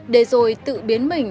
để rồi tự biến mình